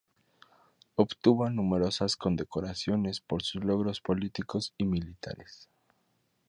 Obtuvo numerosas condecoraciones por sus logros políticos y militares.